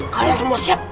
kalian semua siap